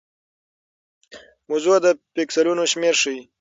وضوح د پیکسلونو شمېر ښيي.